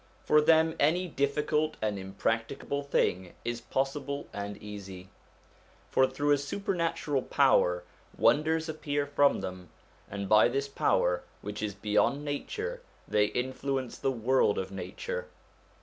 For them, any difficult and impracticable thing is possible and easy. For through a supernatural power wonders appear from them, and by this power, which is beyond nature, they influence the world of nature.